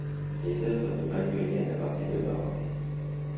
Les œuvres de van Goyen appartiennent au baroque.